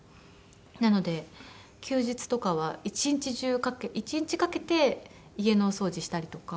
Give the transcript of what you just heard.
なので休日とかは一日中一日かけて家のお掃除したりとか。